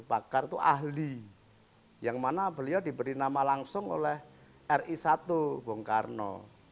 pakar itu ahli yang mana beliau diberi nama langsung oleh ri satu bung karno